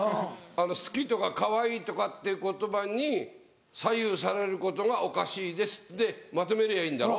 好きとかかわいいとかっていう言葉に左右されることがおかしいですってまとめりゃいいんだろ。